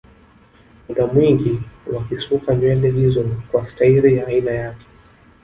Muda mwingi wakisuka nywele hizo kwa stairi ya aina yake